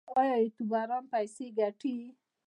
آیا یوټیوبران پیسې ګټي؟